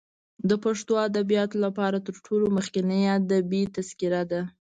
د پښتو ادبیاتو لپاره تر ټولو مخکنۍ ادبي تذکره ده.